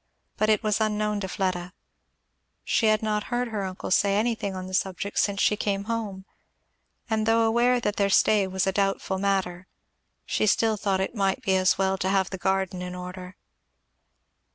But it was unknown to Fleda; she had not heard her uncle say anything on the subject since she came home; and though aware that their stay was a doubtful matter, she still thought it might be as well to have the garden in order.